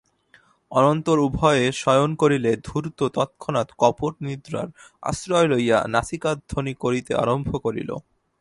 অনন্তর উভয়ে শয়ন করিলে ধূর্ত তৎক্ষণাৎ কপট নিদ্রার আশ্রয় লইয়া নাসিকাধ্বনি করিতে আরম্ভ করিল।